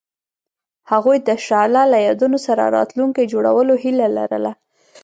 هغوی د شعله له یادونو سره راتلونکی جوړولو هیله لرله.